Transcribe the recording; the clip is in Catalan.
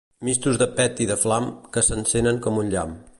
Mistos de pet i de flam, que s'encenen com un llamp.